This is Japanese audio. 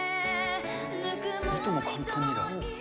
いとも簡単にだ。